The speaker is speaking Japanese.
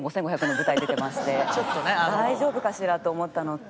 大丈夫かしら？と思ったのと。